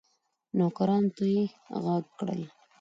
نوکرانو ته یې ږغ کړل